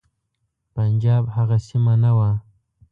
پنجاب هغه سیمه نه وه.